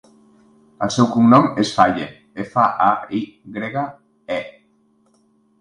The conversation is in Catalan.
El seu cognom és Faye: efa, a, i grega, e.